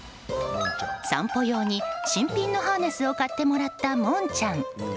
散歩用に新品のハーネスを買ってもらったもんちゃん。